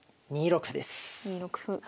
２六歩。